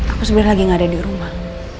aku sebenarnya lagi nggak ada di rumah